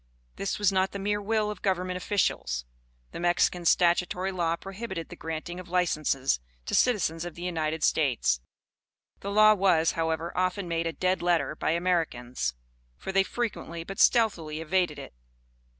This was not the mere will of governmental officials; the Mexican statutory law prohibited the granting of licenses to citizens of the United States. This law was, however, often made a dead letter by Americans; for, they frequently, but stealthily evaded it.